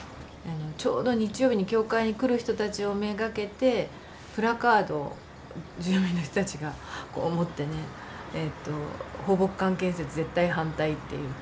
ちょうど日曜日に教会に来る人たちを目がけてプラカードを住民の人たちが持ってねえっと抱樸館建設絶対反対っていう。